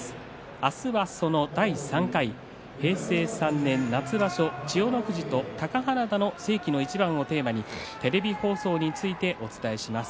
明日はその第３回平成３年夏場所、千代の富士と貴花田の世紀の一番をテーマにテレビ放送についてお伝えします。